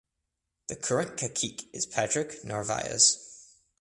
The current cacique is Patrick Narvaez.